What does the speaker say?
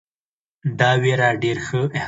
دغه وېره ډېر ښه احساسوم.